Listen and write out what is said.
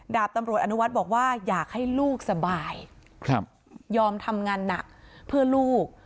ดาบตำรวจอนุวัฒน์บอกว่าอยากให้ลูกสบายยอมทำงานหนักเพื่อลูก